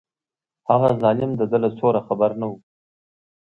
هغه ظالم د ده له سوره خبر نه و.